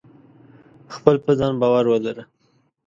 خپل په ځان باور ولره !